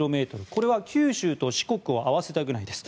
これは九州と四国を合わせたぐらいです。